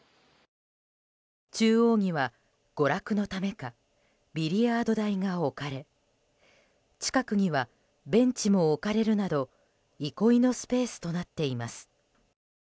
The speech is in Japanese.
中央には娯楽のためかビリヤード台が置かれ近くには、ベンチも置かれるなど憩いのスペースとなっています。